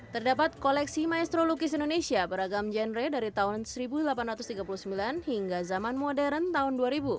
terdapat koleksi maestro lukis indonesia beragam genre dari tahun seribu delapan ratus tiga puluh sembilan hingga zaman modern tahun dua ribu